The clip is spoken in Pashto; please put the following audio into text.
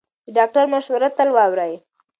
د ډاکټر مشوره تل واورئ.